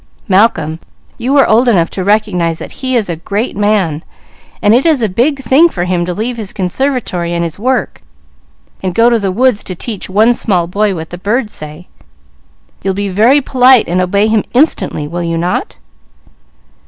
"Malcolm, you are old enough to recognize that he is a great man, and it is a big thing for him to leave his Conservatory and his work, and go to the woods to help teach one small boy what the birds say. You'll be very polite and obey him instantly, will you not?"